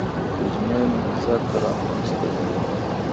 د ترجمې نهضت رامنځته کړ